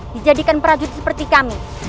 dijadikan perajut seperti kami